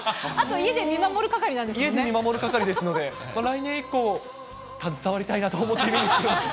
家で見守る係ですので、来年以降、携わりたいなと思っておりますけど。